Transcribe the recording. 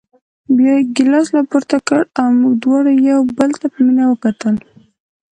بیا یې ګیلاس راپورته کړ او موږ دواړو یو بل ته په مینه وکتل.